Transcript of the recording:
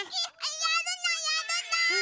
やるのやるの！